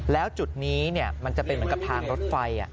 แล้วจุดนี้มันจะเป็นเหมือนกับทางรถไฟ